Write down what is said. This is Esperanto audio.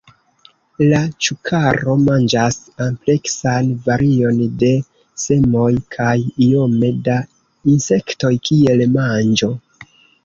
La Ĉukaro manĝas ampleksan varion de semoj kaj iome da insektoj kiel manĝo.